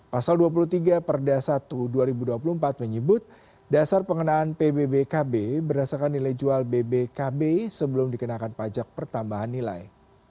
pasal dua puluh tiga perda satu dua ribu dua puluh empat menyebut dasar pengenaan pbbkb berdasarkan nilai jual bbkb sebelum dikenakan pajak pertambahan nilai